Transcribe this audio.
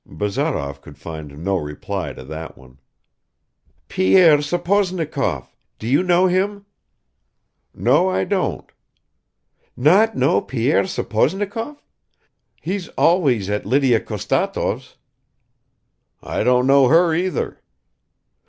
Bazarov could find no reply to that one. "Pierre Sapozhnikov ... do you know him?" "No, I don't." "Not know Pierre Sapozhnikov ... he's always at Lydia Khostatov's." "I don't know her either."